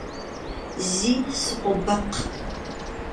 Se sıkhobekxh.